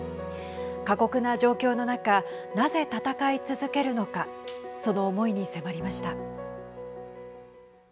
過酷な状況の中なぜ戦い続けるのかその思いに迫りました。